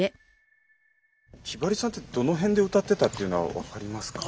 ひばりさんってどの辺で歌ってたっていうのは分かりますか？